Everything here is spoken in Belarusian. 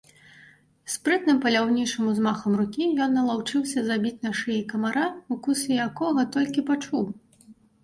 Спрытным паляўнічым узмахам рукі ён налаўчыўся забіць на шыі камара, укусы якога толькі пачуў.